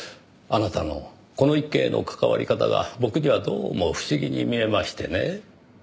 あなたのこの一件への関わり方が僕にはどうも不思議に見えましてね。